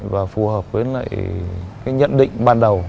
và phù hợp với nhận định ban đầu